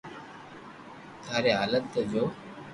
ٿاري ھالت تو جو